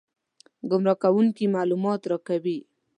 ګمراه کوونکي معلومات راکوي.